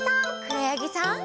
くろやぎさん。